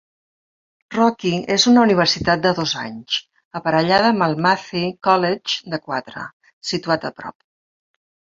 Rocky és una universitat de dos anys, aparellada amb el Mathey College de quatre, situat a prop.